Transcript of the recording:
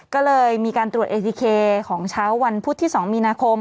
ก็เลยมีการตรวจเอทีเคของเช้าวันพุธที่๒มีนาคม